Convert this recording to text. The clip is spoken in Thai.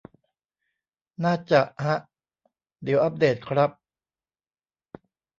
น่าจะฮะ เดี๋ยวอัปเดตครับ